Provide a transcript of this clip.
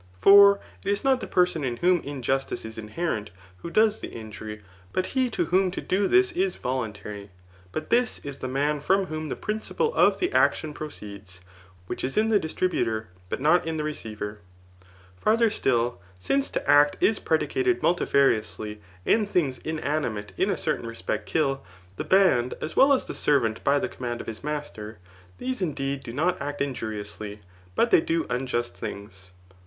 For it is not the person in whom injustice is inherent who does the injury, but he to whom to do this is voluntary. ; but this is the man from whom the principle of the action proceeds, which is in the distributor, but not in the receiver. Farther still, since to act is predicated multifariously, and Digitized by Google CHAP* IX. ETHICS. 185 fhiags inanimate in a certain respect kill, the hand as well as the servant by the command of bis master ; these indeed do not act injuriously, but they do unjust things.